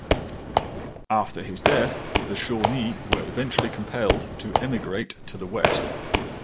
After his death, the Shawnee were eventually compelled to emigrate to the West.